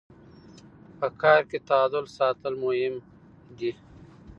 په کار کي تعادل ساتل مهم دي.